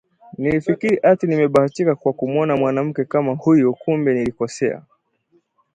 Nilifikiri ati nimebahatika kwa kumuoa mwanamke kama huyo, kumbe nilikosea